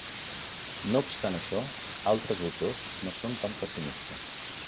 No obstant això, altres autors no són tan pessimistes.